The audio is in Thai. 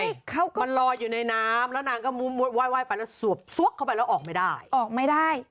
มันลอยอยู่ในน้ำแล้วนางก็ว่ายไปแล้วสวบเข้าไปแล้วออกไม่ได้